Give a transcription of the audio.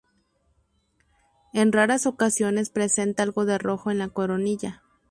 En raras ocasiones presenta algo de rojo en la coronilla.